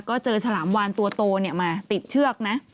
ก็เจอฉลามวานตัวโตมาติดเชือกนะ